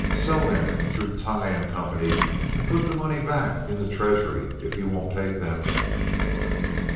"Sell them through Tighe & Company and put the money back in the treasury, if you won't take them."